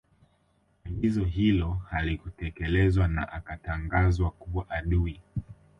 Agizo hilo halikutekelezwa na Akatangazwa kuwa adui